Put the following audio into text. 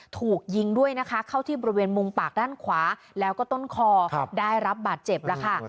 ถูกยิงด้วยนะคะเข้าที่บริเวณมุมปากด้านขวาแล้วก็ต้นคอได้รับบาดเจ็บแล้วค่ะ